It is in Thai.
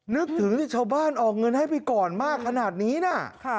นึกถึงสิชาวบ้านออกเงินให้ไปก่อนมากขนาดนี้นะ